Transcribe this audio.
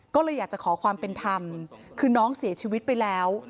ก็เลยอยากจะขอความเป็นธรรมคือน้องเสียชีวิตไปแล้ว